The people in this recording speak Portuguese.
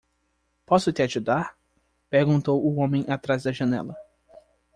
"Posso te ajudar?" perguntou o homem atrás da janela.